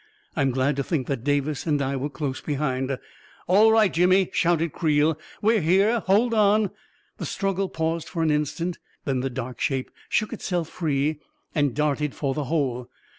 I am glad to think that Davis and I were close behind! "All right, Jimmy! " shouted Creel. "We're here! Hold on!" The struggle paused for an instant; then the dark shape shook itself free and darted for the hole.